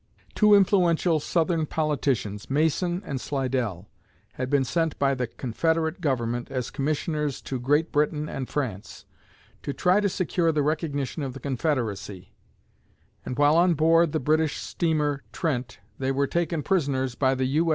Two influential Southern politicians, Mason and Slidell, had been sent by the Confederate Government as Commissioners to Great Britain and France, to try to secure the recognition of the Confederacy; and while on board the British steamer "Trent" they were taken prisoners by the U.